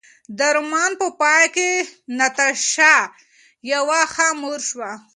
د رومان په پای کې ناتاشا یوه ښه مور شوه.